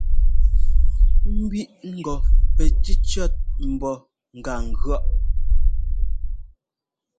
Mbíʼ ŋgɔ pɛ cícʉɔ́t mbɔ́ gá ŋgʉ̈ɔʼ.